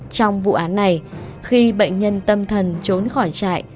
trong vụ án này khi bệnh nhân tâm thần trốn khỏi trại